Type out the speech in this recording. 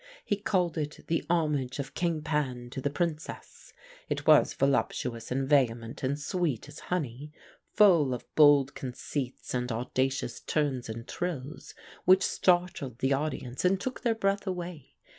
He called it 'The Homage of King Pan to the Princess.' It was voluptuous and vehement and sweet as honey, full of bold conceits and audacious turns and trills, which startled the audience and took their breath away.